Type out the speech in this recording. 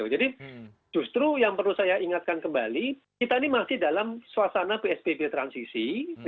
jadi justru yang perlu saya ingatkan kembali kita ini masih dalam suasana psbb transisi